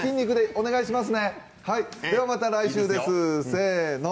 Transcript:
お願いします。